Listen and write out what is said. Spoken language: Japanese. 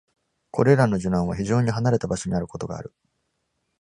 これらの受難は、非常に離れた場所にあることがある。